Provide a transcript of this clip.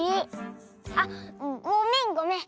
あっごめんごめん。